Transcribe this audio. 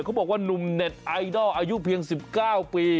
เขาบอกว่านุ่มเน็ตไอดอลอายุเพียง๑๙ปี